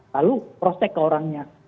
lalu prospek ke orangnya